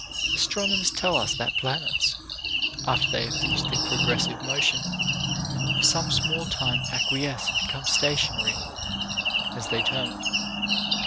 Astronomers tell us that planets, after they have finished their progressive motion, for some small time acquiesce and become stationary, as they term it.